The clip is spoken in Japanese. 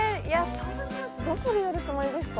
そんなどこでやるつもりですか？